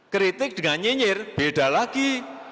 kritik dengan nyinyir beda lagi